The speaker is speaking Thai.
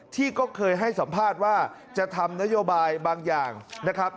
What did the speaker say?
ที่ก็เคยให้สัมภาษณ์ว่าจะทำนโยบายบางอย่างนะครับ